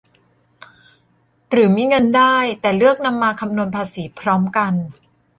หรือมีเงินได้แต่เลือกนำมาคำนวณภาษีพร้อมกัน